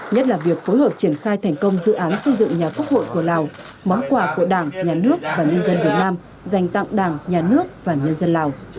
nhất là việc phối hợp triển khai thành công dự án xây dựng nhà quốc hội của lào món quà của đảng nhà nước và nhân dân việt nam dành tặng đảng nhà nước và nhân dân lào